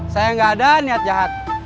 saya nggak ada niat jahat